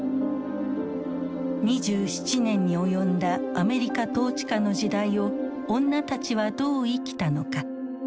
２７年に及んだアメリカ統治下の時代を女たちはどう生きたのか。